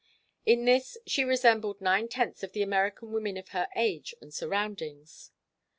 In this she resembled nine tenths of the American women of her age and surroundings.